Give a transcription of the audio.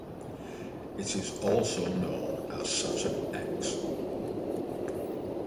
It is also known as Saturn X.